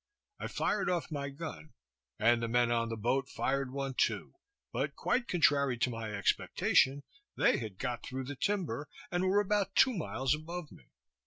I fired off my gun, and the men on the boat fired one too; but quite contrary to my expectation, they had got through the timber, and were about two miles above me.